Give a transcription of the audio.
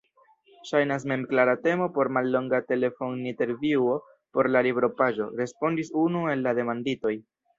Ŝajnas memklara temo por mallonga telefonintervjuo por la libropaĝo, respondis unu el la demanditoj.